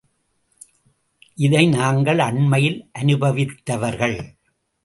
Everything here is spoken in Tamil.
இதை நாங்கள் அண்மையில் அனுபவித்தவர்கள்.